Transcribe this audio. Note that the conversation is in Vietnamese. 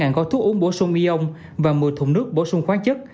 năm gói thuốc uống bổ sung ion và một mươi thùng nước bổ sung khoáng chất